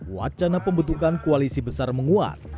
wacana pembentukan koalisi besar menguat